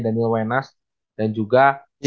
daniel wenas dan juga